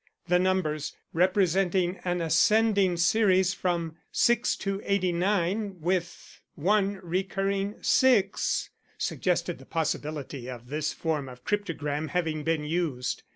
The numbers, representing an ascending series from 6 to 89, with one recurring 6, suggested the possibility of this form of cryptogram having been used.